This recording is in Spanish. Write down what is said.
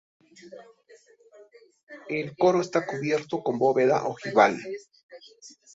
El coro está cubierto con bóveda ojival.